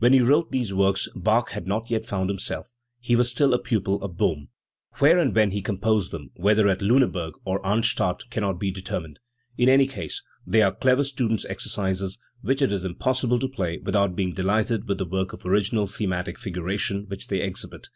When he wrote these works Bach had not yet found himself; he was still a pupil of Bohm. Where and when he composed them, whether at Liineburg or at Arnstadt, cannot be determined. In any case they are clever student's exercises, which it is impossible to play without being delighted with the power of original thematic figuration which they exhibit.